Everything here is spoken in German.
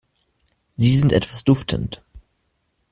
Sie sind etwas duftend.